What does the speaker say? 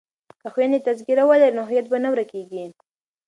که خویندې تذکره ولري نو هویت به نه ورکيږي.